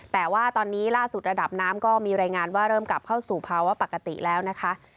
แต่ว่าตอนนี้ล่าสุดระดับน้ำก็มีรายงานว่าเริ่มกลับเข้าสู่ภาวะปกติแล้วนะคะ